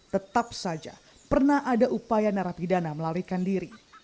tetap saja pernah ada upaya narapidana melarikan diri